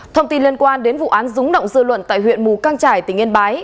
thông tin liên quan đến vụ án rúng động dư luận tại huyện mù căng trải tỉnh yên bái